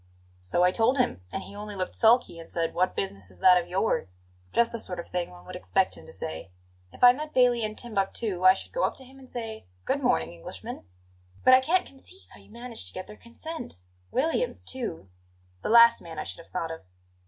"So I told him, and he only looked sulky and said: 'What business is that of yours?' Just the sort of thing one would expect him to say. If I met Bailey in Timbuctoo, I should go up to him and say: 'Good morning, Englishman.'" "But I can't conceive how you managed to get their consent; Williams, too; the last man I should have thought of."